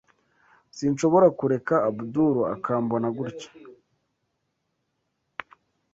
Sinshobora kureka Abdul akambona gutya.